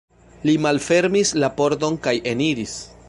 Li malfermis la pordon kaj eniris.